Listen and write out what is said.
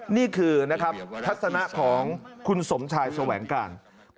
นี่คือทัศนะของคุณสมชายสวัญการ